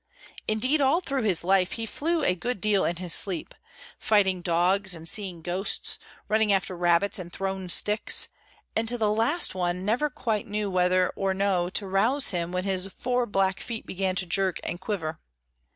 Indeed, all through his life he flew a good deal in his sleep, fighting dogs and seeing ghosts, running after rabbits and thrown sticks; and to the last one never quite knew whether or no to rouse him when his four black feet began to jerk and quiver.